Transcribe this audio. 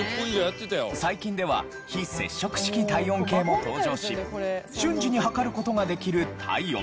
最近では非接触式体温計も登場し瞬時に測る事ができる体温。